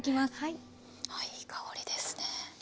いい香りですね。